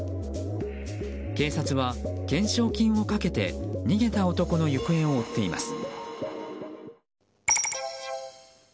警察は、懸賞金をかけて逃げた男の行方を追っています。